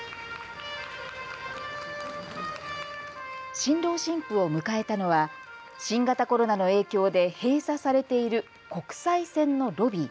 新郎新婦を迎えたのは新型コロナの影響で閉鎖されている国際線のロビー。